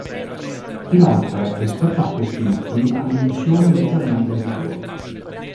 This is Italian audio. Inoltre, rispetto a questi ultimi, ha dimensioni leggermente inferiori.